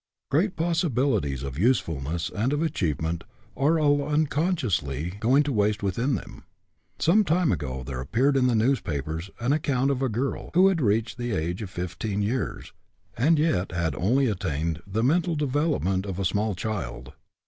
Great possibilities of usefulness and of achievement are, all unconsciously, going to waste within them. Some time ago there appeared in the news 22 GETTING AROUSED papers an account of a girl who had reached the age of fifteen years, and yet had only attained the mental development of a small child.